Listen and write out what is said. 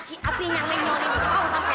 si abinya lenyol ini